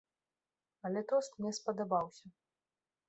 Але тост мне спадабаўся.